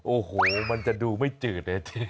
โอ้โฮมันจะดูไม่จืดเลย